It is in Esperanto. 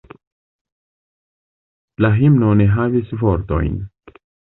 La himno ne havis vortojn.